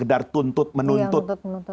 gendar tuntut menuntut